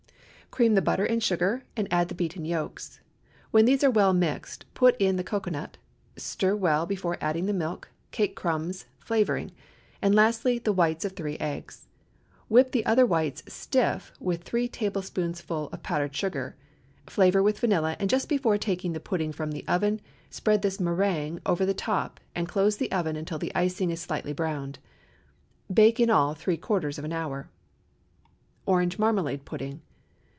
Cream the butter and sugar, and add the beaten yolks. When these are well mixed, put in the cocoanut; stir well before adding the milk, cake crumbs, flavoring; and lastly, the whites of three eggs. Whip the other whites stiff with three tablespoonfuls of powdered sugar; flavor with vanilla, and just before taking the pudding from the oven, spread this méringue over the top, and close the oven until the icing is slightly browned. Bake in all three quarters of an hour. ORANGE MARMALADE PUDDING.